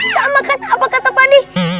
sama kan apa kata pani